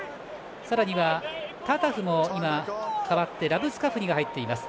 さらには、タタフも代わってラブスカフニが入っています。